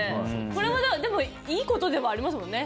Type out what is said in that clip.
これはでも、いいことではありますもんね。